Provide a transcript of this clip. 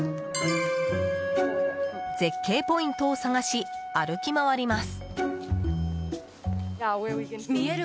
絶景ポイントを探し歩き回ります。